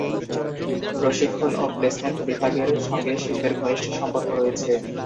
প্রশিক্ষণ ও প্লেসমেন্ট বিভাগের সঙ্গে শিল্পের ঘনিষ্ঠ সম্পর্ক রয়েছে।